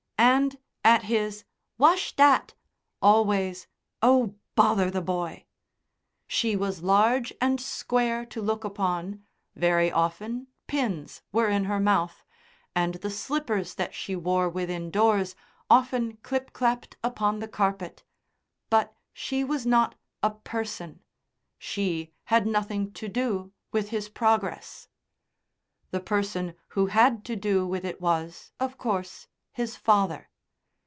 And, at his "Wash dat!" always "Oh bother the boy!" She was large and square to look upon, very often pins were in her mouth, and the slippers that she wore within doors often clipclapped upon the carpet. But she was not a person; she had nothing to do with his progress. The person who had to do with it was, of course, his father.